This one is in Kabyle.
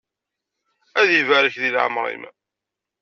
Ad ibarek di leεmeṛ-im!